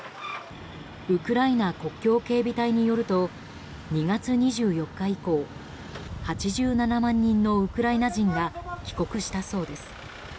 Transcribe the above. ウクライナ国境警備隊によると２月２４日以降８７万人のウクライナ人が帰国したそうです。